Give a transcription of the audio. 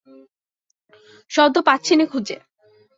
শব্দ পাচ্ছি নে খুঁজে।